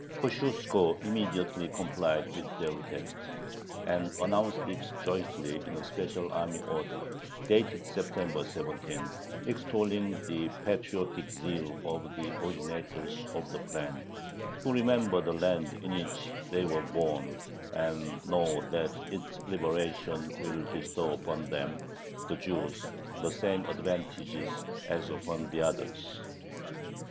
Kosciuszko immediately complied with their request, and announced it joyfully in a special army order, dated September 17, extolling the patriotic zeal of the originators of the plan, "who remember the land in which they were born, and know that its liberation will bestow upon them [the Jews] the same advantages as upon the others."